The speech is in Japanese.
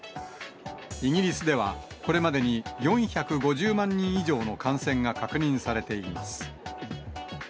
イギリスでは、これまでに４５０万人以上の感染が確認されています。